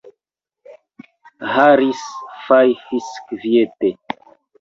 Harris fajfis kviete.